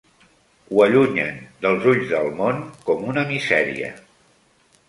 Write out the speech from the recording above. Ho allunyen dels ulls del món com una misèria.